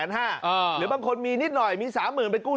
หรือบางคนมีนิดหน่อยมี๓๐๐๐ไปกู้